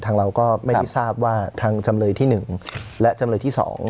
เราก็ไม่ได้ทราบว่าทางจำเลยที่๑และจำเลยที่๒